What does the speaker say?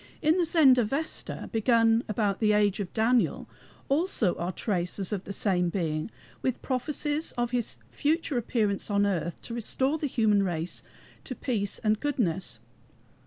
In the Zendavesta begun about the age of Daniel also are traces of the same Being, with prophecies of his future appearance on earth to restore the human race to peace and goodness.